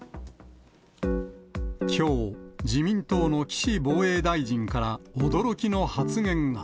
きょう、自民党の岸防衛大臣から驚きの発言が。